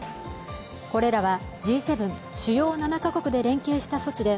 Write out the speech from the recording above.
これらは、Ｇ７＝主要７か国で連携した措置で